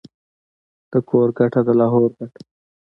د کور گټه ، دلاهور گټه.